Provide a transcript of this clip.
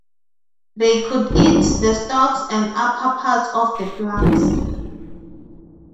They could eat the stalks and upper parts of the plants.